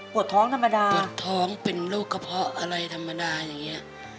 ท้องธรรมดาปวดท้องเป็นโรคกระเพาะอะไรธรรมดาอย่างนี้